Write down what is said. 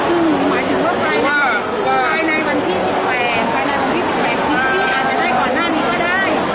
หรือว่าใครในวันที่สิบแมนใครในวันที่สิบแมนพี่อาจจะได้ก่อนหน้านี้ก็ได้